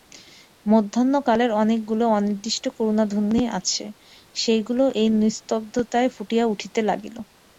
মধ্যাহ্নকালের অনেকগুলি অনির্দিষ্ট করুণধ্বনি আছে, সেইগুলি এই নিস্তব্ধতায় ফুটিয়া উঠিতে লাগিল।